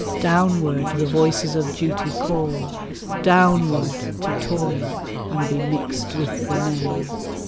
Downward the voices of Duty call Downward, to toil and be mixed with the main.